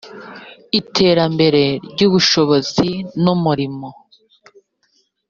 iterambere ry’ubushobozi n’umurimo